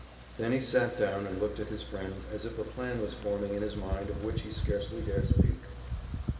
Then he sat down and looked at his friend as if a plan was forming in his mind of which he scarcely dare speak.